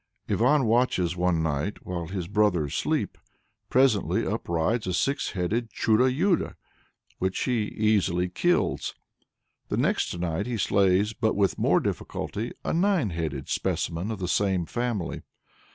Ivan watches one night while his brothers sleep. Presently up rides "a six headed Chudo Yudo" which he easily kills. The next night he slays, but with more difficulty, a nine headed specimen of the same family.